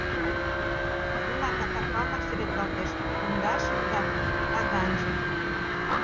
Уна, ката палынак сӱретлалтеш, пундашыже да таганже.